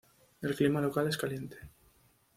El clima local es caliente.